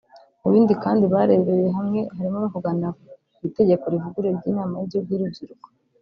Mu bindi kandi barebeye hamwe harimo no kuganira ku itegeko rivuguruye ry’Inama y’Igihugu y’Urubyiruko